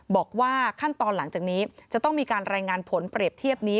บอกว่าขั้นตอนหลังจากนี้จะต้องมีการรายงานผลเปรียบเทียบนี้